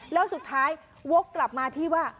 แล้วสุดท้ายวกกลับมาที่ว่า